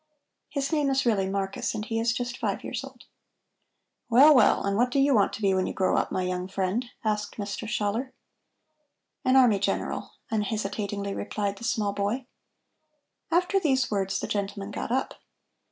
"His name is really Marcus and he is just five years old." "Well, well, and what do you want to be when you grow up, my young friend?" asked Mr. Schaller. "An army general," unhesitatingly replied the small boy. After these words the gentleman got up.